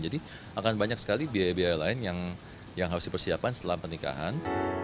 jadi akan banyak sekali biaya biaya lain yang harus dipersiapkan setelah pernikahan